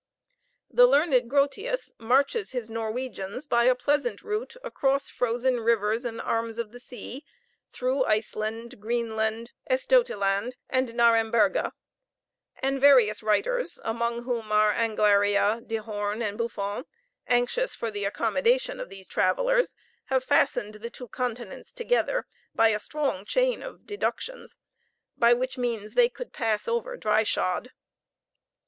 The learned Grotius marches his Norwegians by a pleasant route across frozen rivers and arms of the sea, through Iceland, Greenland, Estotiland, and Naremberga; and various writers, among whom are Angleria, De Hornn, and Buffon, anxious for the accommodation of these travelers, have fastened the two continents together by a strong chain of deductions by which means they could pass over dry shod.